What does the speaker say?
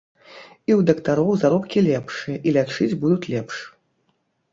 І ў дактароў заробкі лепшыя, і лячыць будуць лепш.